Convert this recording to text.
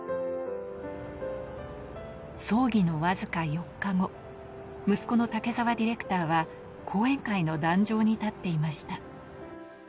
葬儀のわずか４日後、息子の武澤ディレクターは講演会の壇上に立っていました。